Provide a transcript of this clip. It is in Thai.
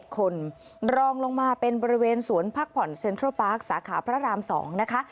คนรองลงมาเป็นบริเวณสวนพักผ่อนเซ็นทรัลปาร์คสาขาพระราม๒นะคะ